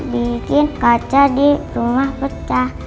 bikin kaca di rumah pecah